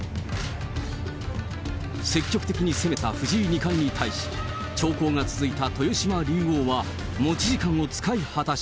積極的に攻めた藤井二冠に対し、長考が続いた豊島竜王は、持ち時間を使い果たし。